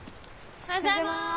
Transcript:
おはようございます。